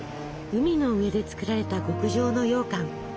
海の上で作られた極上のようかん。